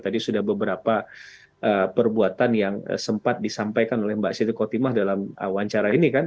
tadi sudah beberapa perbuatan yang sempat disampaikan oleh mbak siti kotimah dalam wawancara ini kan